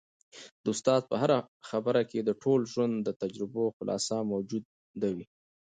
د استاد په هره خبره کي د ټول ژوند د تجربو خلاصه موجوده وي.